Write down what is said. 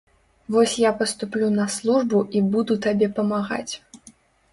Вось я паступлю на службу і буду табе памагаць.